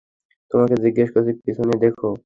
তোমাকে জিজ্ঞেস করছি, পিছনে দেখো।